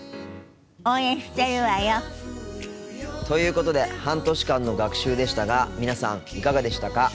応援してるわよ。ということで半年間の学習でしたが皆さんいかがでしたか？